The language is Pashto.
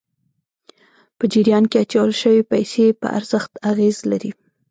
په جریان کې اچول شويې پیسې په ارزښت اغېز لري.